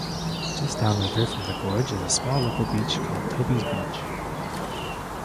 Just down river from the gorge is a small local beach, called Toby's Beach.